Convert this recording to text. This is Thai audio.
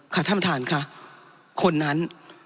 ท่านประธานค่ะคนนั้น